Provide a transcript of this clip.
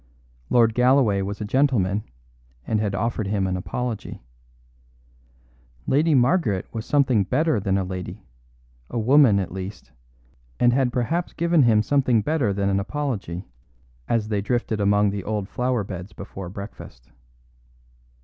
Lord Galloway was a gentleman, and had offered him an apology. Lady Margaret was something better than a lady, a woman at least, and had perhaps given him something better than an apology, as they drifted among the old flowerbeds before breakfast.